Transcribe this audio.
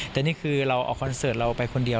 แต่นี่คือเราเอาคอนเสิร์ตเราไปคนเดียว